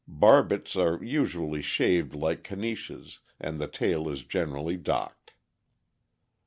Barbets are usually shaved like Caniches, and the tail is generally docked.